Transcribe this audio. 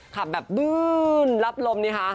ขับแบบบื้อนรับลม